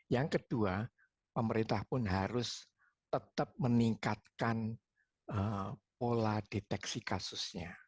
yang kedua pemerintah pun harus tetap meningkatkan pola deteksi kasusnya